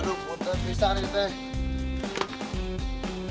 aduh puter pisang ini